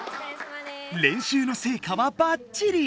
練習のせいかはバッチリ！